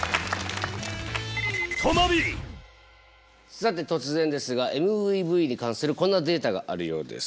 さて突然ですがＭＶＶに関するこんなデータがあるようです。